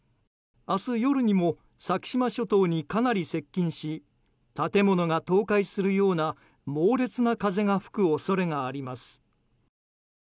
明日夜にも先島諸島にかなり接近し建物が倒壊するような猛烈な風が吹く恐れがあります。